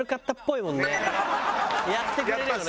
やってくれるよね。